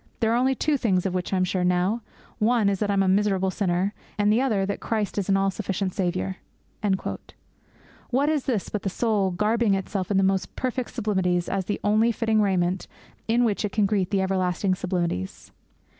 There are only two things of which I am sure now; one is that I am a miserable sinner, and the other that Christ is an all sufficient Saviour.' What is this but the soul garbing itself in the most perfect simplicities as the only fitting raiment in which it can greet the everlasting sublimities?